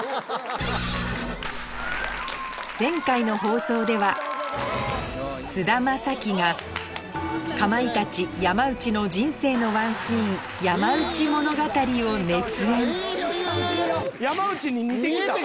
前回の放送では菅田将暉がかまいたち・山内の人生のワンシーン一瞬山内になったなぁ！